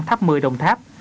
tháp mười đồng tháp